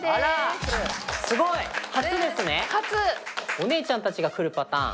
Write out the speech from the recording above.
お姉ちゃんたちが来るパターン。